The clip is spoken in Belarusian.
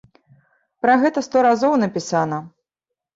Пра гэта сто разоў напісана.